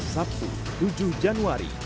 sabtu tujuh januari